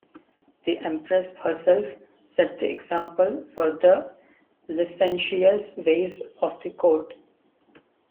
The Empress herself set the example for the licentious ways of the court.